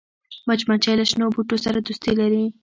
مچمچۍ له شنو بوټو سره دوستي لري